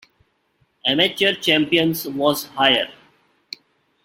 Amateur Champions was higher.